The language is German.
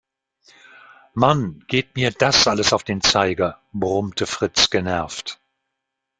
Mann, geht mir das alles auf den Zeiger, brummte Fritz genervt.